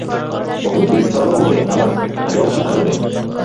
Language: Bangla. কখনো কি ছড়ানো রংকে আবার আগের অবস্থায় আনা যাবে?